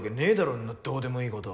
そんなどうでもいいこと。